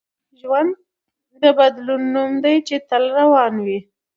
ژوند د بدلون نوم دی چي تل روان وي.